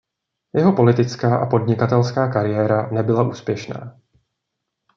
Jeho politická a podnikatelská kariéra nebyla úspěšná.